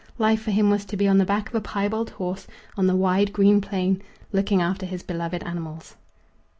Life for him was to be on the back of a piebald horse on the wide green plain, looking after his beloved animals.